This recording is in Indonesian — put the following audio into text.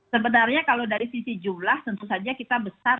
sebenarnya kalau dari sisi jumlah tentu saja kita besar